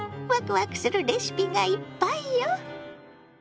わくわくするレシピがいっぱいよ。